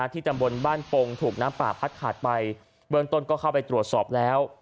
ตำบลบ้านปงถูกน้ำป่าพัดขาดไปเบื้องต้นก็เข้าไปตรวจสอบแล้ว